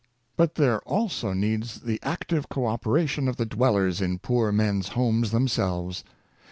But there also needs the active co operation of the dwellers in poor men's homes themselves.